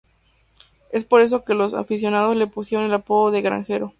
Es por esto que los aficionados le pusieron el apodo de "Granjero".